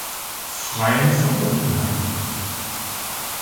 Freiin von Oppenheim.